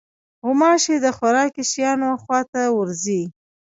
غوماشې د خوراکي شیانو خوا ته ورځي.